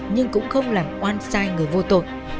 nhưng cũng không làm oan sai người vô tội